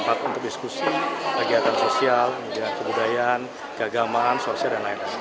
tempat untuk diskusi kegiatan sosial kebudayaan keagamaan sosial dan lain lain